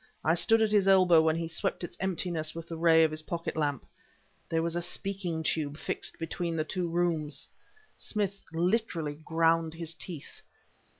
I stood at his elbow when he swept its emptiness with the ray of his pocket lamp. There was a speaking tube fixed between the two rooms! Smith literally ground his teeth.